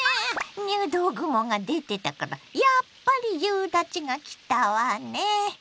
入道雲が出てたからやっぱり夕立ちがきたわね！